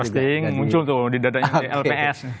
testing muncul tuh di dadanya lps